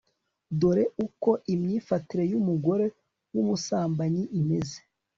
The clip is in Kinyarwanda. dore uko imyifatire y'umugore w'umusambanyi imeze